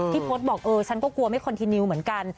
พจน์บอกเออฉันก็กลัวไม่คอนทินิวเหมือนกัน